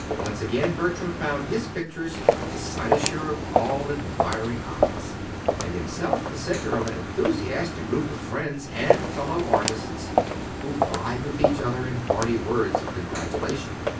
Once again Bertram found his picture the cynosure of all admiring eyes, and himself the center of an enthusiastic group of friends and fellow artists who vied with each other in hearty words of congratulation.